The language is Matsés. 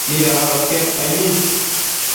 mida adotiadpaini